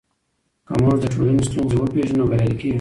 که موږ د ټولنې ستونزې وپېژنو نو بریالي کیږو.